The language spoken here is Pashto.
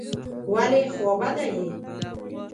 ولي خوابدی یې ؟